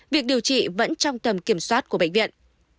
việc điều trị vẫn trong tầm kiểm soát của bệnh viện